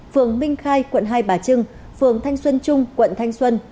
phường minh khai quận hai bà trưng phường thanh xuân trung quận thanh xuân